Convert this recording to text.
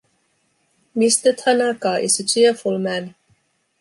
Mr. Tanaka is a cheerful man.